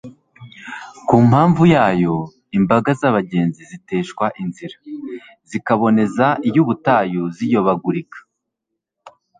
ku mpamvu yayo, imbaga z'abagenzi ziteshwa inzira, zikaboneza iy'ubutayu, ziyobagurika